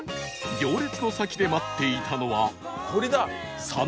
行列の先で待っていたのは